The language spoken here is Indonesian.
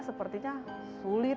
sepertinya sulit ya